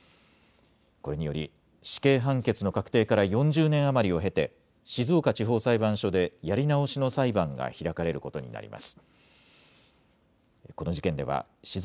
これにより、死刑判決の確定から４０年余りを経て、静岡地方裁判所でやり直しの裁判が開かれることになります。